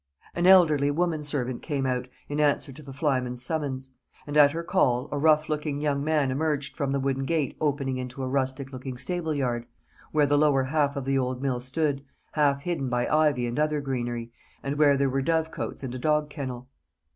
An elderly woman servant came out, in answer to the flyman's summons; and at her call, a rough looking young man emerged from the wooden gate opening into a rustic looking stable yard, where the lower half of the old mill stood, half hidden by ivy and other greenery, and where there were dovecotes and a dog kennel.